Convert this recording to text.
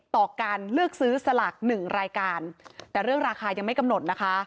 ต่อการเลือกซื้อสลากหนึ่งรายการแต่เรื่องราคายังไม่กำหนดนะคะ